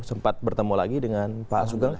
sempat bertemu lagi dengan pak sugeng